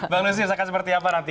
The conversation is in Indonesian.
bang nusy rasakan seperti apa nanti